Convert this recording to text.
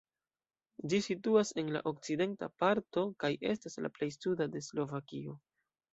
Ĝi situas en la okcidenta parto kaj estas la plej suda de Slovakio.